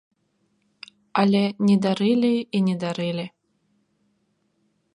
Але не дарылі і не дарылі.